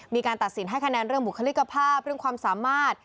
มีการตัดสินให้คะแนนเรื่องบุคลิกภาพเรื่องความสามารถ